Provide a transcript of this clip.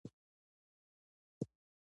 ځوانان د علمي نوښتونو سرچینه دي.